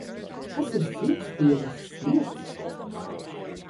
Kas ir sietspiedes siets?